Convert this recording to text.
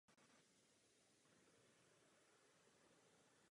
Nakonec tuto trofej získal Kane.